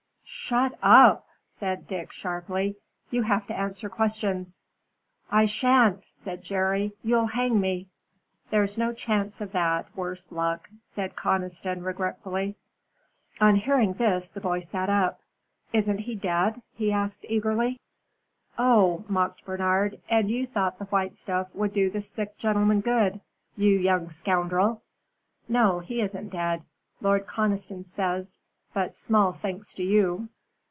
"Shut up!" said Dick, sharply. "You have to answer questions." "I sha'n't," said Jerry. "You'll hang me." "There's no chance of that, worse luck," said Conniston, regretfully. On hearing this, the boy sat up. "Isn't he dead?" he asked eagerly. "Oh!" mocked Bernard, "and you thought the white stuff would do the sick gentleman good you young scoundrel! No. He isn't dead, Lord Conniston says, but small thanks to you."